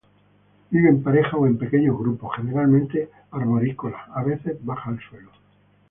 Vive en pareja o en pequeños grupos, generalmente arborícola, a veces baja al suelo.